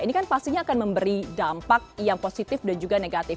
ini kan pastinya akan memberi dampak yang positif dan juga negatif